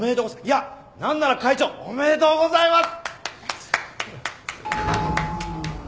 いや何なら会長おめでとうございます！